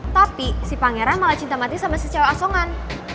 tapi si pangeran malah cinta mati sama si cewek asongan